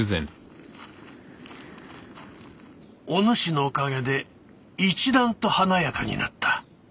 お主のおかげで一段と華やかになった。